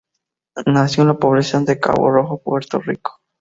Nació en la población de Cabo Rojo, Puerto Rico.